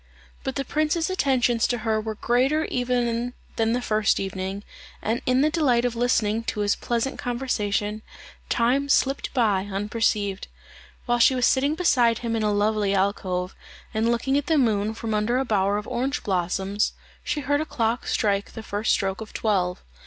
But the prince's attentions to her were greater even than the first evening, and in the delight of listening to his pleasant conversation, time slipped by unperceived. While she was sitting beside him in a lovely alcove, and looking at the moon from under a bower of orange blossoms, she heard a clock strike the first stroke of twelve.